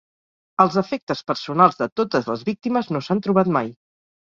Els efectes personals de totes les víctimes no s'han trobat mai.